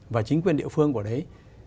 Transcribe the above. và chính quyền địa phương của đấy